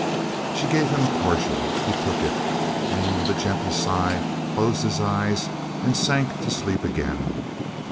She gave him a cordial. He took it, and with a gentle sigh, closed his eyes, and sank to sleep again.